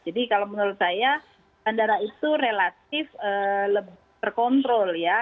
jadi kalau menurut saya bandara itu relatif terkontrol ya